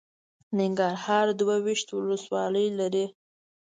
ننګرهار دوه ویشت ولسوالۍ لري.